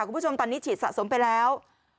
คุณผู้ชมตอนนี้ฉีดสะสมไปแล้ว